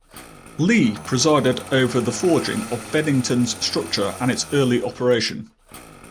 Leigh presided over the forging of Bennington's structure and its early operation.